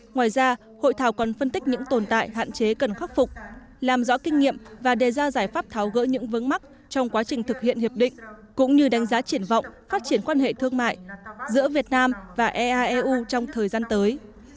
ngoài ra hội thảo còn phân tích những tồn tại hạn chế cần khắc phục làm rõ kinh nghiệm và đề ra giải pháp tháo gỡ những vấn mắc trong quá trình thực hiện hiệp định cũng như đánh giá triển vọng phát triển quan hệ thương mại giữa việt nam và eaeu trong thời gian tới